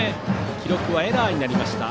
記録はエラーになりました。